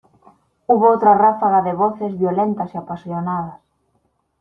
hubo otra ráfaga de voces violentas y apasionadas.